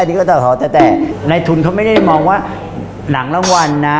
ในทุนเขาไม่ได้มองว่าหนังรางวัลนะ